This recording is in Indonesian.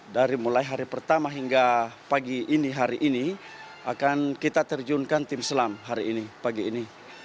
dari mulai hari pertama hingga pagi ini hari ini akan kita terjunkan tim selam hari ini pagi ini